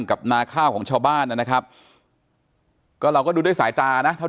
นาข้าวของชาวบ้านนะครับก็เราก็ดูด้วยสายตานะเท่า